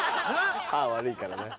歯悪いからな。